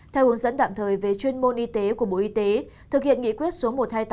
theo hướng dẫn tạm thời về chuyên môn y tế của bộ y tế thực hiện nghị quyết số một trăm hai mươi tám